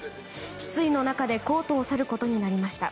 失意の中でコートを去ることになりました。